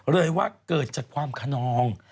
เลยว่าเกิดจากความขนอง